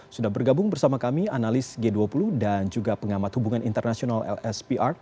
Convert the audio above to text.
sudah bergabung bersama kami analis g dua puluh dan juga pengamat hubungan internasional lspr